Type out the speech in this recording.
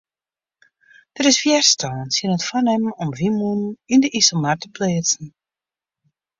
Der is wjerstân tsjin it foarnimmen om wynmûnen yn de Iselmar te pleatsen.